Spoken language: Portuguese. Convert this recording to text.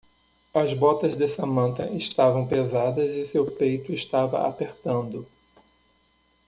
As botas de Samantha estavam pesadas e seu peito estava apertando.